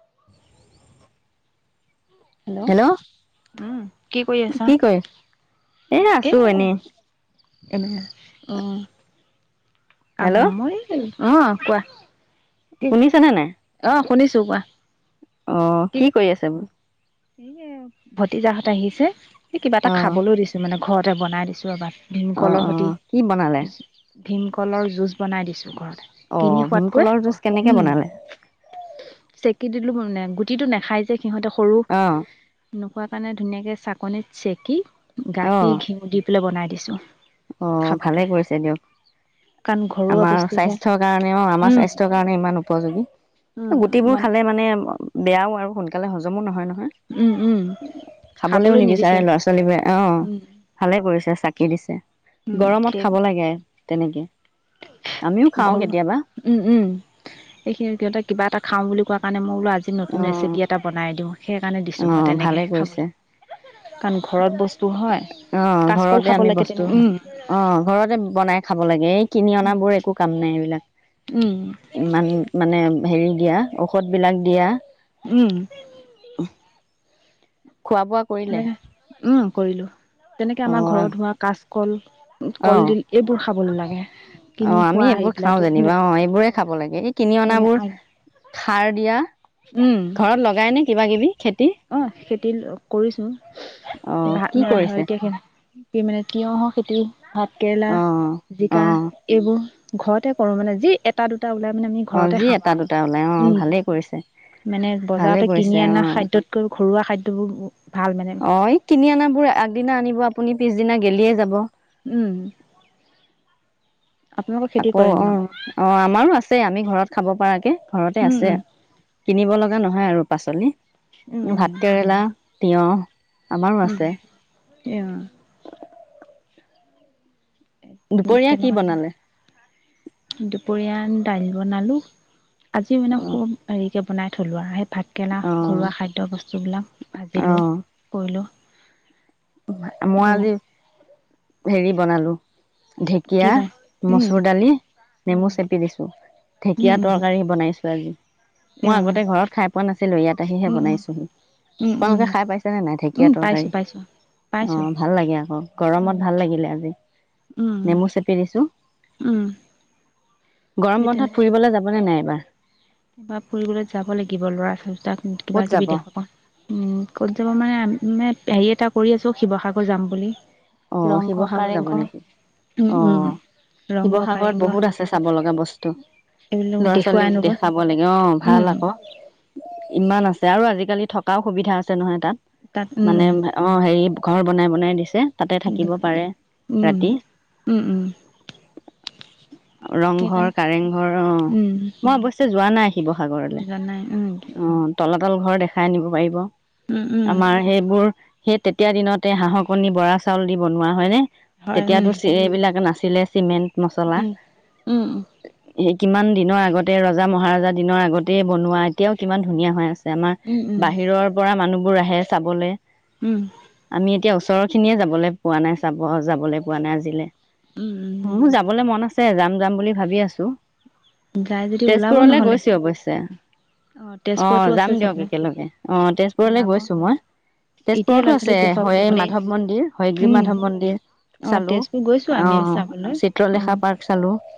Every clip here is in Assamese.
[unintelligible] হেল্ল' উম কি কৰি আছা কৰি আছ? এ আছো এনেই এনেই অঁ হেল্ল' আমাৰ মই অঁ কোৱা শুনিছেনে নাই শুনিছোঁ কোৱা অঃ কি কৰি আছে বোলো এ ভতিজাহত আহিছে কিবা এটা অ' খাবলৈ দিছো মানে ঘৰতে বনাই দিছোঁ এবাৰ অ' ভীমকলৰ সৈতে অ' কি বনালে? ভীমকলৰ জুচ বনাই দিছোঁ ঘৰত অ' কিনি ভীমকলৰ জুচ কেনেকে খোৱাতকৈ বনালে? দিলো মানে গুটিটো নখাই যে সিহঁতে সৰু অ' খোৱা কাৰণে ধুনীয়াকে চাকনিত চেকি গাখীৰ ঘিউ দি পেলাই বনাই দিছ [unintelligible] অঁ ভালে কৰিছে দিয়ক কাৰণ ঘৰুৱা আমাৰ বস্তু হয় স্বাস্থ্যৰ কাৰণে অঁ আমাৰ উম স্বাস্থ্যৰ কাৰণে ইমান উপযোগী উম গুটিবোৰ মান খালে মানে বেয়াও আৰু সোনকালে সজমো নহয় উম উম ন খাবলৈও নিবিচাৰে ল'ৰা ছোৱালী বোৰে অঁ উম ভালে কৰিছে তাকেই দিছে উম গৰমত সেই খাব লাগে তেনেকে আমিও খাওঁ ঘৰুৱা কেতিয়াবা। উম উম এইখিনি সিহতে কিবা এটা খাওঁ বুলি কোৱা কাৰণেই মই বোলো আজি নতুন অ' ৰেচিপি এটা বনাই দিওঁ সেইকাৰণে দিছো মই অ' তেনেকে ভালে কৰিছে। খাবলে কাৰণ ঘৰত বস্তু হয় অ কাচকল ঘৰতে খাব আমি লাগে বস্তু তেনেকে উম অ ঘৰতে বনাই খাব লাগে এ কিনি অনা বোৰ একো কাম নাই এইবিলাক উম ইমান মানে হেৰি দিয়া ঔষধবিলাক দিয়া উম খোৱা বোৱা কৰিলে তেনেকে উম কৰিলোঁ তেনেকে আমাৰ অ', ঘৰত হোৱা কাজ কল অ', কলডিল এইবোৰ শা শাক খাবলৈ লাগে কিনি অ আমি খোৱা আহি এইবোৰ খাও যেনিবা পেলাই অ এইবোৰে খাব লাগে এই কিনি মানে অনাবোৰ সাৰ দিয়া উম ঘৰত লগাই নে কিবা কিবি খেতি অ খেতি কৰিছো অ', কি কৰিছে? বাৰিতে এ মানে তিয়হৰ খেতি ভাত কেৰেলা, অ', জিকা অ', এইবোৰ ঘৰতে কৰো মানে যি এটা দু দুটা ওলাই মানে আমি অ', ঘৰতে যি এটা খাওঁ দুটা ওলাই আৰু অ', উম ভালেই কৰিছে। মানে ভালে বজাৰতে কৰিছে কিনি অনা অ', খাদ্যত ঘৰুৱা খাদ্যবোৰ ভাল মানে অ কিনি আন বোৰ আগদিনা আনিব আপুনি পিছদিনা গেলিয়ে যাব উম আপোনালোকৰ খেতি আকৌ কৰে ন অ অ আমাৰো আছে আমি ঘৰত খাব পৰাকে ঘৰতে উম, আছে উম, কিনিব লগ নহয় আৰু পাচলি উম, ভাত উম, কেৰেলা তিয়হ আমাৰো উম আছে আহ [unintelligible] দুপৰীয়া কি তেনেকুৱাতে বনালে? দুপৰীয়া দাইল বনালোঁ আজি মানে অ', বনাই থলোৱা আহ ভাতকেৰেলা অ', ঘৰুৱা খাদ্য বস্তুবিলাক ভাজিলোঁ অ কৰিলোঁ মই আজি হেৰি বনালো কি ঢেকীয়া বনাই? উম, মচুৰ দালি নেমু উম, চেপি দিছো উম, ঢেকীয়া উম, তৰকাৰী বনাইছো আজি মই অ', আগতে ঘৰত খাই পোৱা নাছিলো ইয়াত আহিহে উম, উম, বনাইছোহি উম, উম, আপোনালোকে খাই পাইছে নে নাই উম, ঢেকীয়া পাইছোঁ, তৰকাৰী পাইছোঁ, অ পাইছোঁ, ভাল লাগে আকৌ গৰমত উম, ভাল লাগিলে আজি উম, নেমু চেপি দিছোঁ উম, গৰম সেই তেনে বন্ধত ফুৰিবলৈ যাবনে নাই এইবাৰ [unintelligible] ফুৰিবলৈ যাব লাগিব ল'ৰা ছোৱালী কেইটাক ক'ত কিবাকিবি যাব দেখুৱা পাওঁ ক'ত যাব মানে মানে হেৰি এটা কৰি আছো শিৱসাগৰ যাম বুলি অ ৰংঘৰ, শিৱসাগৰ যাব কাৰেংঘৰ, নেকি উম, অ উম, ৰংঘৰ, শিৱসাগৰত কাৰেংঘৰ বহুত আছে চাব লগা বস্তু এইবিলাক ল'ৰা দেখুৱাই ছোৱালীক আনোগৈ, দেখাব লাগিব অ উম, ভাল আকৌ ইমান আছে আৰু আজিকালি থকাও সুবিধা আছে নহয় তাত মানে অ হেৰি ঘৰ বনাই বনাই দিছে তাতে উম, থাকিব পাৰে উম, ৰাতি উম, উম, ৰংঘৰ সেইকাৰণে কাৰেংঘৰ আহ উম, মই অৱশ্যে যোৱা নাই শিৱসাগৰলে জানাই উম, অঁ তলাতল ঘৰ দেখাই আনিব পাৰিব উম, উম। আমাৰ সেইবোৰ সেই তেতিয়া দিনতে হাঁহৰ কণী বৰা চাউল দি বনোৱা হয়নে হয় তেতিয়াতো উম এইবিলাকে নাচিল ছিলে চিমেণ্ট মচলা উম সেই কিমান দিনৰ আগতে ৰজা মহাৰজা দিনৰ আগতেই বনোৱা এতিয়াও কিমান উম উম ধুনীয়া হৈ আছে আমাৰ উম বাহিৰৰ পৰা মানুহ বোৰ আহে চাবলৈ উম আমি এতিয়া ওচৰখিনি যাব যাবলৈ পোৱা নাই চাব যাবলৈ পোৱা নাই আজিলে উম উ যাবলৈ মন আছে আছে যাম যাম বুলি ভাবি আছো উম যাই যদি ওলাব তেজপুৰলে নহ'লে গৈছো অৱশ্যয়ে অ অঁ তেজপুৰতো আছে যাম দিয়ক চাবলে একেলগে অ তেজপুৰলে ওলাব গৈছো মই এতিয়াই তেজপুৰতো ল'ৰা আছে ছোৱালীক দেখুৱাব হয় লাগিব মানে মাধৱ মন্দিৰ গি উম মাধৱ মন্দিৰ অ চালো তেজপুৰ গৈছো আমি অঁ চাবলৈ অ চিত্ৰলেখা পাৰ্ক চালো অঁ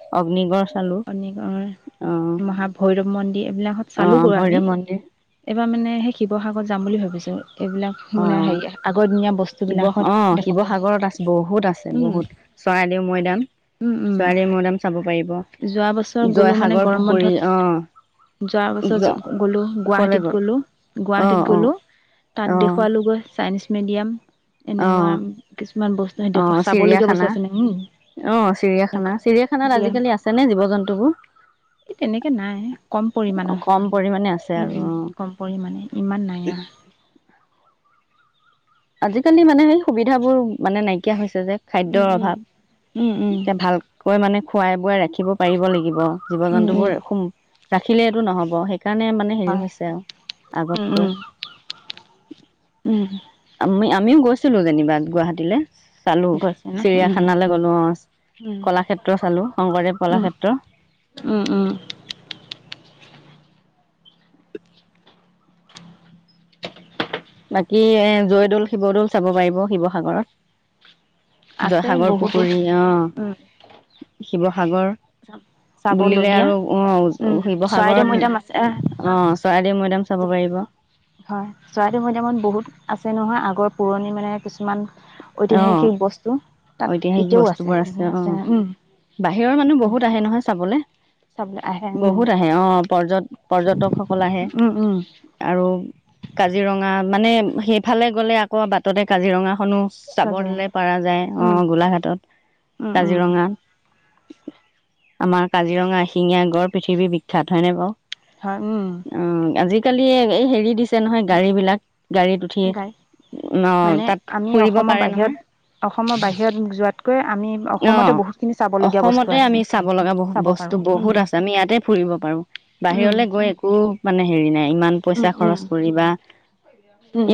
অঁ মহা ভৈৰৱ মন্দিৰ এইবিলাকত চালো অঁ কৰো আমি ভৈৰৱ মন্দিৰ এইবাৰ মানে সেই শিৱসাগৰত যাম বুলি ভাবিছো এইবিলাক মানে অঁ হেৰি আগৰ শিৱ বস্তুবিলাকত অ দেখাবলৈ শিৱসাগৰত আছে বহুত আছে উম বহুত চৰাইদেউ মৈদাম উম উম চৰাইদেউ মৈদাম চাব পাৰিব যোৱা বছৰ গলো মানে জয়সাগৰ গৰম পুখুৰী অ বন্ধত যোৱা বছৰ জ গলো কলে গুৱাহাটীত গ'ল গ'লো অ গুৱাহাটীত অ গলো তাত অ দেখুৱালোগৈ চাইনিজ মিডিয়াম অ এনেকুৱা কিছুমান বস্তু অ সখ চাবলগীয়া বস্তু চিৰিয়াখানা আছে ন হম অ চিৰিয়াখানা চিৰিয়াখানাত আজিকালি আছে নে জীৱ জন্তুবোৰ এই তেনেকৈ নাই কম অ পৰিমাণৰ কম পৰিমাণে আছে আৰু অ কম পৰিমাণে ইমান নাই আৰু আজিকালি মানে সেই সুবিধাবোৰ মানে নাইকিয়া হৈছে যে উম খাদ্যয়ৰ অভাৱ উম উম এয়া ভাল কৈ মানে খোৱাই বোৱাই ৰাখিব পাৰিব লাগিব জীৱ উম উম জন্তুবোৰ উম খুব ৰাখিলে এইটো নহব সেই সেইকাৰণে মানে হেৰি হয় হৈছে আৰু উম আগতকৈ উম উম আমি আমিও গৈছিলোঁ যেনিবা গুৱাহাটীলৈ চালো গৈছে ন উম চিৰিয়াখানালৈ গলো উম অঁহ কলাক্ষেত্ৰ চালো শংকৰদেৱ উম কলাক্ষেত্ৰ উম উম [unintelligible] বাকী এ জয়দৌল শিৱদৌল চাব পাৰিব শিৱসাগৰত আছে জয়সাগৰ বহুতো পুখুৰী উম অঁ শিৱসাগৰ বুলিলে চাবলগীয়া আৰু উম অঁহ চৰাইদেউ মৈদাম আছে শিৱসাগৰত আহ চৰাইদেউ মেদাম চাব পাৰিব চ'ৰাইটো মটামত বহুত আছে নহয় আগৰ পুৰণি মানে কিছুমান অ ঐতিহাসিক বস্তু তাত ঐতিহাসিক এতিয়াও আছে বস্তুবোৰ সেইবোৰ অ আছে ন বাহিৰৰ মানুহ উম বহুত আহে নহয় চাবলে চাবলৈ আহে উম বহুত আহে অঁ পৰ পৰ্যটকসকল আহে উম উম আৰু কাজিৰঙা মানে সেইফালে গ'লে আকৌ বাটতে কাজিৰঙাখনো চাব সজে দিলে পাৰ যায় উম আহ গোলাঘাটত উম উম কাজিৰঙাত আমাৰ কাজিৰঙা এশিঙীয়া গড় পৃথিৱী বিখ্যাত হয় নে বাৰু হয় উম কালি এই হেৰি দিছে নহয় গাড়ী বিলাক গাড়ীত উঠি গাই মানে তাত আমি ফুৰিব অসমৰ পাৰে বাহিৰত নহয় অসমৰ বাহিৰত যোৱাত কৈ আমি অ অসমতে বহুতখিনি চাবলগীয়া বস্তু অসমতে আছে আমি চাব লগা বহু চাব বস্তু পাৰোঁ উম বহুত আছে আমি ইয়াতে ফুৰিব পাৰো বাহিৰলে উম গৈ একো মানে হেৰি নাই ইমান পইচা উম খৰচ কৰিবা উম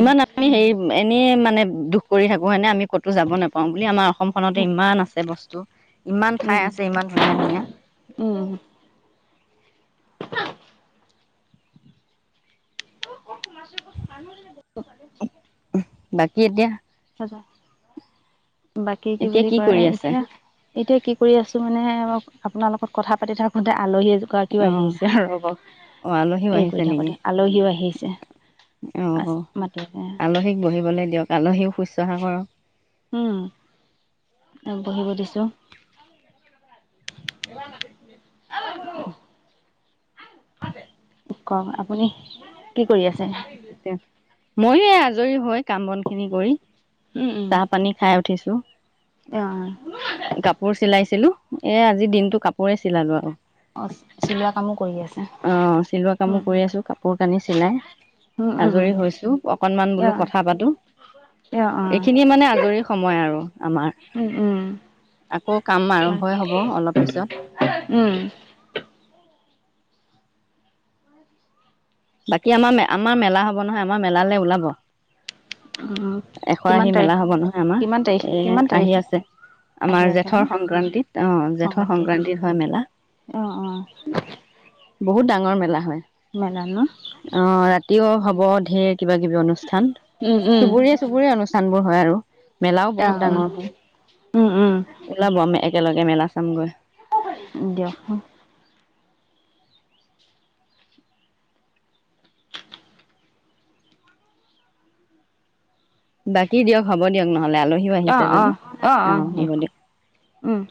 এনে মানে দুখ কৰি থাকো মই এনে আমি ক'তো যাব নাপাওঁ বুলি আমাৰ অসমখনতে উম ইমান আছে বস্তু ইমান উম ঠাই আছে ইমান ধুনীয়া ধুনীয়া উম [unintelligible] বাক কেতিয়া [unintelligible] বাকী কি এতিয়া বুলি কয় কৰি এ আছে এতিয়া এতিয়া কি । কৰি আছোঁ মানে আপোনাৰ লগ কথাাতি থাকোঁতে আলহী এ এগৰাকীও অ আহি আহিছে ৰব অ আলহীও এই কৰি আহিছে নেকি থাকোতে আলহীও আহি অ অ আছে মাতি আলহীক শুচ্ছহাহৰ উম বহিব দিছো কক আপুনি কি কৰি আছে [unintelligible] ময়ো এই আজৰি হৈ কাম বন খিনি কৰি উম উম চাহ পানী খাই উঠিছো কাপোৰ চিলাইছিলো এ আজি দিনতটো কাপোৰে চিলালো আও অ চিলোৱা কামো কৰি আছে অ চিলোৱা কামো হুম কৰি আছো কাপোৰ কানি চিলাই হুম আজৰি হৈছো অকনমান বোলো কথা পাতো অ অ এইখিনিয়ে মানে আজৰি সময় আৰু উম উম আমাৰ আকৌ কাম হয় আৰম্ভই হ'ব অলপ উম পিছত বাকী আমাৰ আমাৰ মেলা হব নহয় আমাৰ মেলালৈ ওলাব উম এশ কিমান আহি তাৰিখ মেলা হব নহয় আমাৰ, কিমান তাৰিখ এ কিমান তাৰিখ আহি আছে আহি আমাৰ আছে নো জেঠৰ সংক্ৰান্তিত আহ জেঠৰ সংক্ৰান্তি সংক্ৰান্তিত হয়। মেলা অ অ বহুত ডাঙৰ মেলা হয়। মেলা ন অ ৰাতিও উম হব ধেৰ কিবা কিবি কিবি অনুষ্ঠান উম উম চুবুৰীয়া চুবুৰীয়ে অনুষ্ঠান বোৰ হয় আৰু মেলাও অ বহুত উম ডাঙৰ হয় উম উম ওলাব আমি একেলগে মেলা চামগৈ দিয়ক বাকী দিয়ক হ'ব দিয়ক ন আহ আহ আহ আহ দিয়ক উম